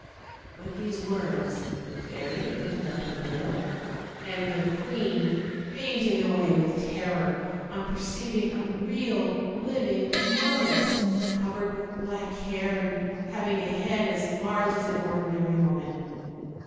With these words the fairy lifted up her veil, and the queen fainted away with terror on perceiving a real liv ing marmot, covered with black hair, and having a head as large as an ordinary woman.